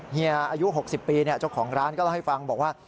เฮียอายุ๖๐ปีเจ้าของร้านก็เล่าให้ฟังบอกว่า